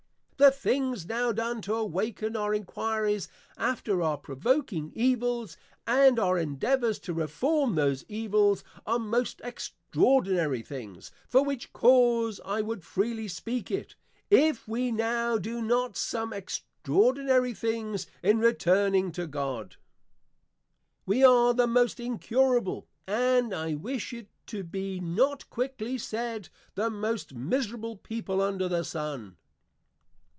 The things now done to awaken our Enquiries after our provoking Evils, and our endeavours to Reform those Evils, are most extraordinary things; for which cause I would freely speak it, if we now do not some extraordinary things in returning to God; we are the most incurable, and I wish it be not quickly said, the most miserable People under the Sun.